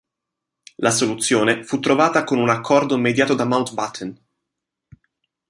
La soluzione fu trovata con un accordo mediato da Mountbatten.